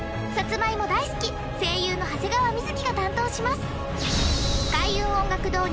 さつまいも大好き声優の長谷川瑞が担当します